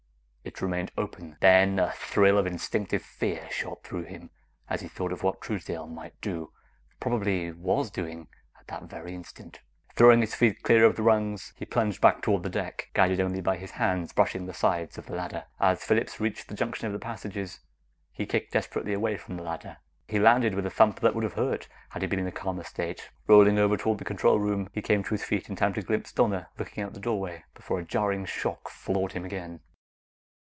It remained open.... Then a thrill of instinctive fear shot through him as he thought of what Truesdale might do probably was doing at that very instant! [Illustration: 4] Throwing his feet clear of the rungs, he plunged back toward the deck, guided only by his hands brushing the sides of the ladder. As Phillips reached the junction of the passages, he kicked desperately away from the ladder. He landed with a thump that would have hurt had he been in a calmer state. Rolling over toward the control room, he came to his feet in time to glimpse Donna looking out the doorway before a jarring shock floored him again.